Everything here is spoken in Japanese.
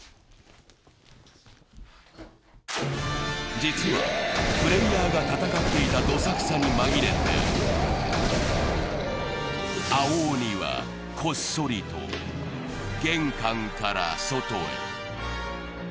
実は、プレイヤーが戦っていたどさくさに紛れて、青鬼はこっそりと玄関から外へ。